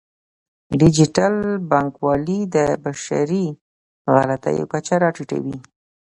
ډیجیټل بانکوالي د بشري غلطیو کچه راټیټوي.